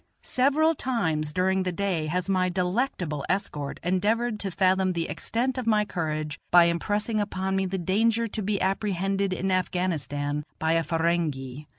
Several times during the day has my delectable escort endeavored to fathom the extent of my courage by impressing upon me the danger to be apprehended in Afghanistan by a Ferenghi.